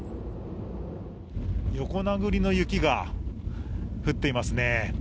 横殴りの雪が降っていますね。